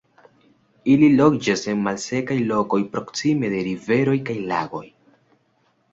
Ili loĝas en malsekaj lokoj proksime de riveroj kaj lagoj.